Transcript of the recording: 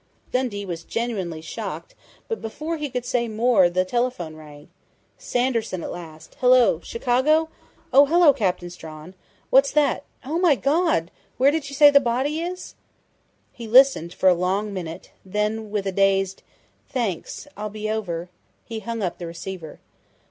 _" Dundee was genuinely shocked, but before he could say more the telephone rang. "Sanderson at last.... Hello! Chicago?... Oh, hello, Captain Strawn!... What's that?... Oh, my God!... Where did you say the body is?" He listened for a long minute, then, with a dazed "Thanks! I'll be over," he hung up the receiver.